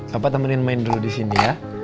bapak temenin main dulu di sini ya